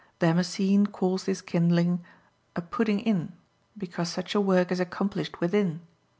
Damascene calls this kindling "a putting in" because such a work is accomplished within.